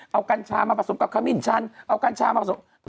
เอาการรักษามาผสมกับคามิ่นชันเอาการรักษามาผสมกับคามิ่นชัน